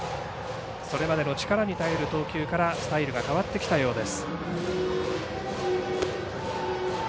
それまでの力に頼る投球からスタイルが変わったようです。